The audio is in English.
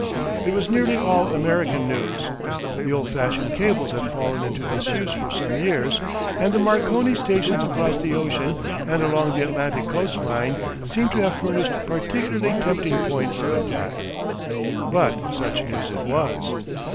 It was nearly all American news; the old fashioned cables had fallen into disuse for some years, and the Marconi stations across the ocean and along the Atlantic coastline seemed to have furnished particularly tempting points of attack. But such news it was.